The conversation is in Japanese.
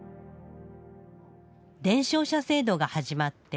伝承者制度が始まって１０年。